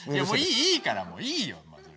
もういいからもういいよ。